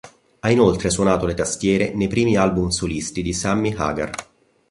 Ha inoltre suonato le tastiere nei primi album solisti di Sammy Hagar.